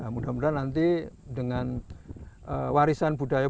mudah mudahan nanti dengan warisan budaya